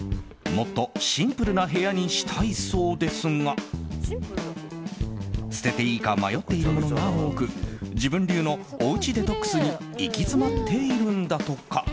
もっとシンプルな部屋にしたいそうですが捨てていいか迷っているものが多く自分流のおうちデトックスに行き詰まっているんだとか。